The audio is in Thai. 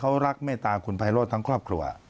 เขารักเมตตาคุณไพโรธทั้งครอบครัว